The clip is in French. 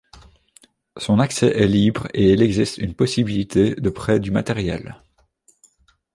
Son accès est libre et il existe une possibilité de prêt du matériel.